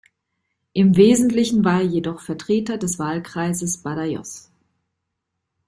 Im Wesentlichen war er jedoch Vertreter des Wahlkreises Badajoz.